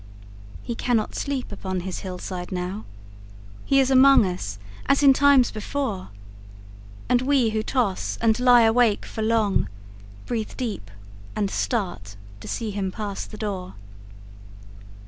He cannot sleep upon his hillside now. He is among us:—as in times before! And we who toss and lie awake for long, Breathe deep, and start, to see him pass the door.